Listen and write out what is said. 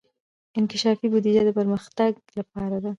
انکشافي بودجه د پرمختګ لپاره ده